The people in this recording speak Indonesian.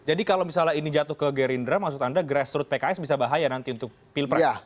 jadi kalau misalnya ini jatuh ke gerindra maksud anda grassroot pks bisa bahaya nanti untuk pilpres